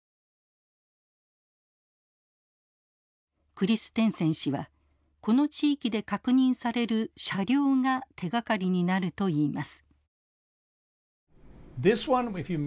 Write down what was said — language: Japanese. クリステンセン氏はこの地域で確認される車両が手がかりになるといいます。